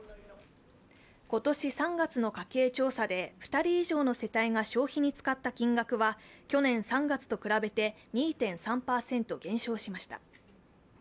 今年３月の家計調査で、２人以上の世帯が消費に使った金額は去年３月と比べて２．３％減少しました。